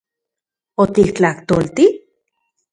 ¿Otiktlajtolti...?